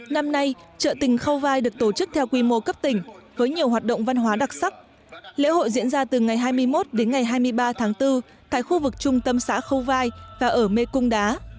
năm nay trợ tình khâu vai được tổ chức theo quy mô cấp tỉnh với nhiều hoạt động văn hóa đặc sắc lễ hội diễn ra từ ngày hai mươi một đến ngày hai mươi ba tháng bốn tại khu vực trung tâm xã khâu vai và ở mê cung đá